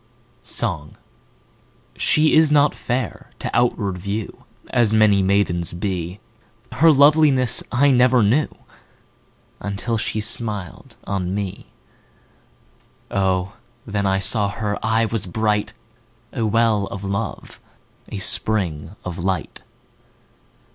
Song SHE is not fair to outward view As many maidens be, Her loveliness I never knew Until she smiled on me; O, then I saw her eye was bright, 5 A well of love, a spring of light!